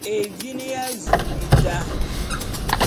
Evini dja’azu a bita.